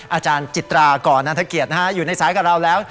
อาจารย์จิตราก่อนนันทเกียรติอยู่ในสายกับเราแล้ว